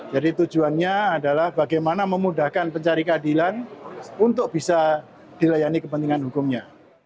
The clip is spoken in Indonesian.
jadi tujuannya adalah bagaimana memudahkan pencari keadilan untuk bisa dilayani kepentingan hukumnya